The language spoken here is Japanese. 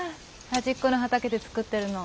端っこの畑で作ってるの。